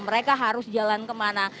mereka harus jalan kemana